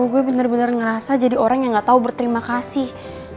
gue bener bener ngerasa jadi orang yang gak tau berterima kasih